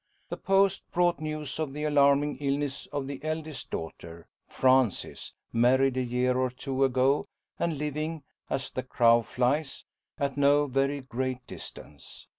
The post brought news of the alarming illness of the eldest daughter Frances, married a year or two ago and living, as the crow flies, at no very great distance.